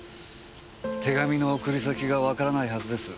手紙の送り先がわからないはずです。